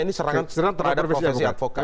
ini serangan terhadap profesi advokat